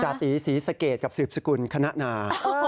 ตีศรีสะเกดกับสืบสกุลคณะนา